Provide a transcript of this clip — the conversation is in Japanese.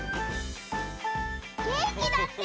げんきだって！